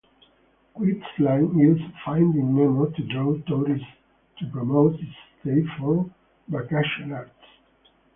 Queensland used "Finding Nemo" to draw tourists to promote its state for vacationers.